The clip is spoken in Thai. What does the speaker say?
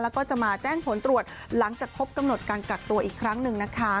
แล้วก็จะมาแจ้งผลตรวจหลังจากครบกำหนดการกักตัวอีกครั้งหนึ่งนะคะ